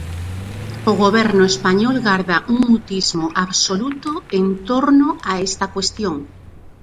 O goberno español garda un mutismo absoluto en torno a esta cuestión.